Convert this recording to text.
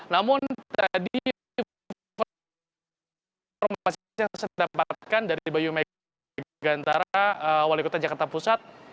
namun tadi proses asesmen diperlukan dari bayu megantara wali kota jakarta pusat